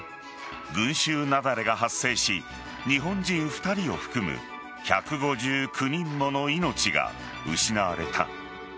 群衆雪崩が発生し日本人２人を含む１５９人もの命が失われた。